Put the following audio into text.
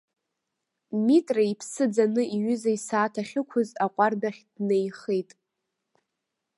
Митра иԥсы ӡаны иҩыза исааҭ ахьықәыз аҟәардә ахь днеихеит.